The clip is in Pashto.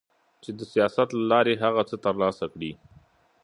چي د سياست له لارې هغه څه ترلاسه کړي